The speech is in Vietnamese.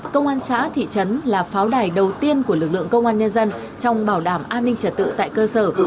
công an xã thị trấn là pháo đài đầu tiên của lực lượng công an nhân dân trong bảo đảm an ninh trật tự tại cơ sở